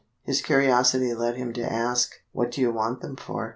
His curiosity led him to ask: "'What do you want them for?'